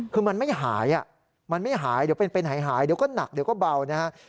คือมันไม่หายมันไม่หายเดี๋ยวเป็นหายเดี๋ยวก็หนักเดี๋ยวก็เบานะครับ